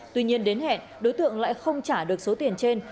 tuy nhiên đến hẹn đối tượng lại không trả được số tiền trên